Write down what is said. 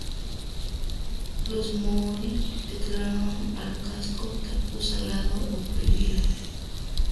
Los maorí declararon al casco "tapu", sagrado o prohibido.